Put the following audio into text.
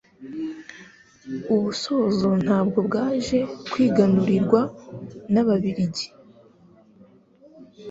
U Busozo nabwo bwaje kwigarurirwa n'Ababiligi